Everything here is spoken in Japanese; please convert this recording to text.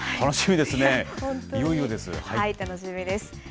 楽しみですね。